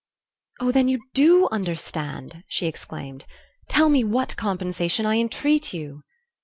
"Oh, then you DO understand?" she exclaimed. "Tell me what compensation, I entreat you!"